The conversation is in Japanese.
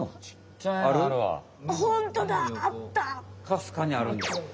かすかにあるんだ。